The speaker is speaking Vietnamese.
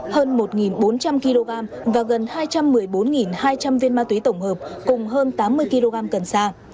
hơn một bốn trăm linh kg và gần hai trăm một mươi bốn hai trăm linh viên ma túy tổng hợp cùng hơn tám mươi kg cần sa